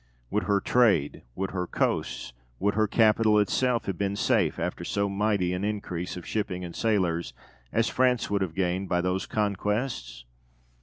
Would her trade, would her coasts, would her capital itself have been safe after so mighty an increase of shipping and sailors as France would have gained by those conquests?